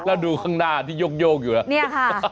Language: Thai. แล้วดูข้างหน้าที่โยกอยู่แล้วเนี่ยค่ะ